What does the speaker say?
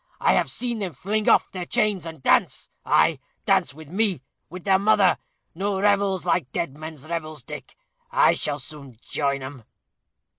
I have seen them fling off their chains, and dance ay, dance with me with their mother. No revels like dead men's revels, Dick. I shall soon join 'em."